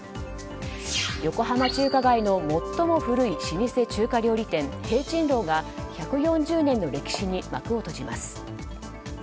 横浜中華街の最も古い老舗中華料理店聘珍樓が１４０年の歴史に幕を閉じます。